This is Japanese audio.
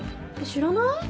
知らない？